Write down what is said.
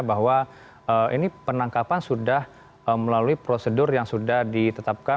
bahwa ini penangkapan sudah melalui prosedur yang sudah ditetapkan